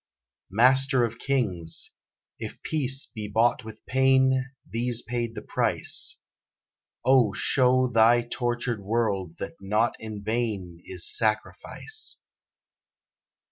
Master of Kings! If peace be bought with pain These paid the price; O show Thy tortured world that not in vain Is sacrifice!